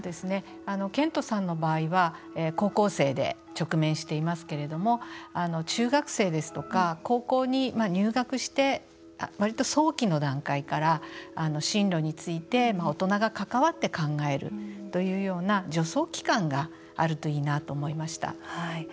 健人さんの場合は高校生で直面していますけれども中学生ですとか、高校に入学して割と早期の段階から進路について大人が関わって考えるというような助走期間があるといいなと思いました。